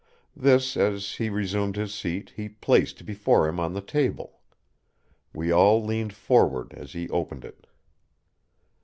This, as he resumed his seat, he placed before him on the table. We all leaned forward as he opened it.